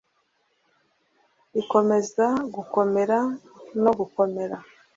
Ikomeza gukomera no gukomera.